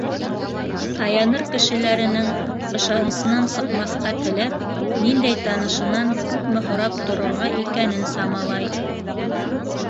Таяныр кешеләренең ышанысынан сыҡмаҫҡа теләп, ниндәй танышынан күпме һорап торорға икәнен самалай.